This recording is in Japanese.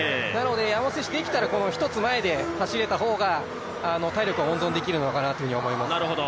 山本選手できたら一つ前で走れた方が体力は温存できるのかなというふうに思います。